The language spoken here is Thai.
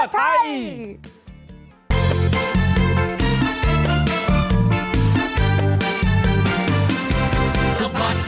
เห้อเห้อเห้อเห้อเห้อเห้อเห้อเห้อเห้อเห้อเห้อเห้อ